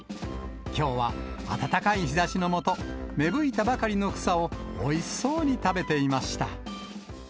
きょうは暖かい日ざしの下、芽吹いたばかりの草をおいしそうに食べていました。